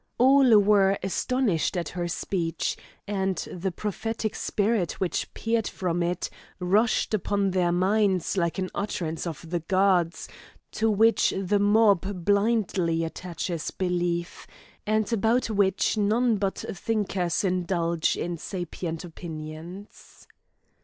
All were astonished at her speech, and the prophetic spirit which peered from it rushed upon their minds like an utterance of the gods, to which the mob blindly attaches belief, and about which none but thinkers indulge in sapient opinions.